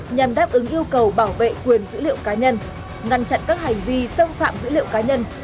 nhằm đáp ứng yêu cầu bảo vệ quyền dữ liệu cá nhân ngăn chặn các hành vi xâm phạm dữ liệu cá nhân